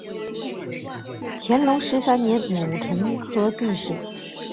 乾隆十三年戊辰科进士。